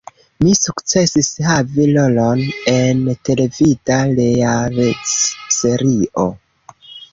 Mi sukcesis havi rolon en televida realec-serio.